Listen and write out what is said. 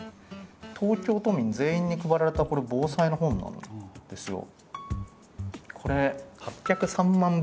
東京都民全員に配られた防災の本なんですよ。